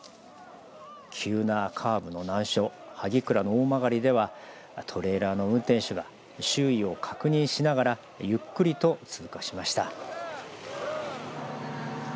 急なカーブの難所萩倉の大曲ではトレーラーの運転手が周囲を確認しながらゆっくりと通過しました。